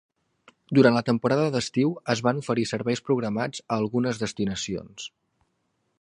Durant la temporada d'estiu es van oferir serveis programats a algunes destinacions.